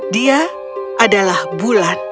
dia adalah bulan